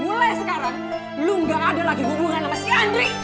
mulai sekarang belum gak ada lagi hubungan sama si andri